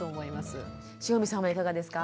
汐見さんはいかがですか？